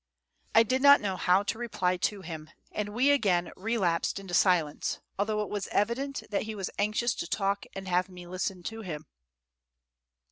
I did not know how to reply to him, and we again relapsed into silence, although it was evident that he was anxious to talk and have me listen to him.